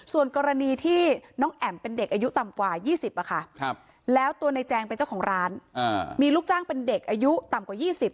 ส่วนกรณีที่น้องแอ๋มเป็นเด็กอายุต่ำกว่า๒๐แล้วตัวในแจงเป็นเจ้าของร้านมีลูกจ้างเป็นเด็กอายุต่ำกว่า๒๐